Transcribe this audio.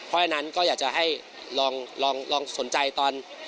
เพราะฉะนั้นก็อยากจะให้ลองสนใจตอน